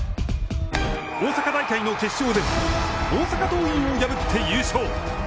大阪大会の決勝では難敵・大阪桐蔭を破って優勝。